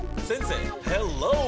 先生！